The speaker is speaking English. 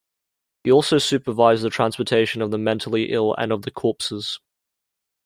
He also supervised the transportation of the mentally ill and of the corpses.